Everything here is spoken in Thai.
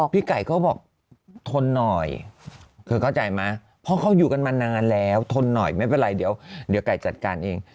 พี่ไก่เขาบอกทนหน่อยคือเข้าใจไหมเพราะเขาอยู่กันมานานแล้วทนหน่อยไม่เป็นไรเดี๋ยวไก่จัดการเอง